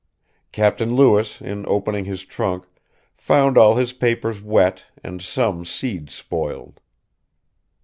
Capt. Lewis in opening his trunk found all his papers wet and some seeds spoiled.